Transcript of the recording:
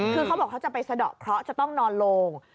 คือเขาบอกเขาจะไปสะดอกเคราะห์จะต้องนอนโลง